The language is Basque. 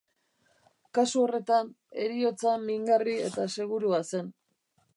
Kasu horretan, heriotza mingarri eta segurua zen.